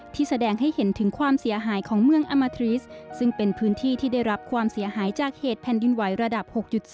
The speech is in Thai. ที่ได้รับความเสียหายจากเหตุแผ่นดินวัยระดับ๖๒